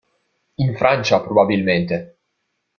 In Francia, probabilmente.